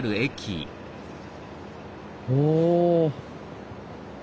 おお。